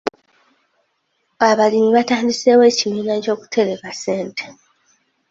Abalimi batandiseewo ekibiina ky'okutereka ssente.